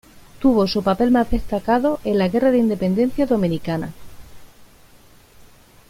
Tuvo su papel más destacado en la guerra de independencia dominicana.